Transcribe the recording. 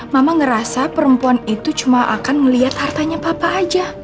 mama ngerasa perempuan itu cuma akan melihat hartanya papa aja